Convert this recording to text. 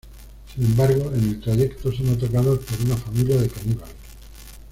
Sin embargo, en el trayecto son atacados por una familia de caníbales.